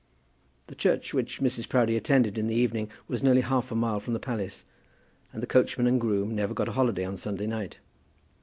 The church which Mrs. Proudie attended in the evening was nearly half a mile from the palace, and the coachman and groom never got a holiday on Sunday night.